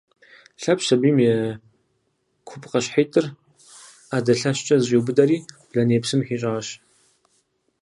Лъэпщ сабийм и купкъыщхьитӏыр ӏэдэ лъэщкӏэ зэщӏиубыдэри блэней псым хищӏащ.